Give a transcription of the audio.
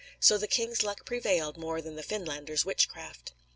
So the king's luck prevailed more than the Finlander's witchcraft."